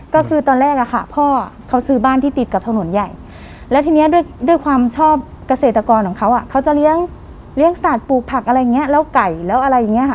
ก็คือตอนแรกอะค่ะพ่อเขาซื้อบ้านที่ติดกับถนนใหญ่แล้วทีนี้ด้วยความชอบเกษตรกรของเขาอ่ะเขาจะเลี้ยงสัตว์ปลูกผักอะไรอย่างเงี้ยแล้วไก่แล้วอะไรอย่างเงี้ค่ะ